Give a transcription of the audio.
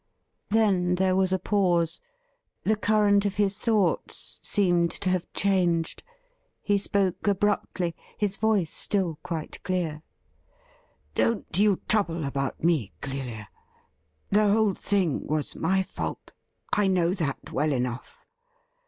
Then there was a pause. The current of his thoughts seemed to have changed. He spoke abruptly, his voice still quite clear :' Don't you trouble about me, Clelia. The whole thing was my fault ; I know that well enough.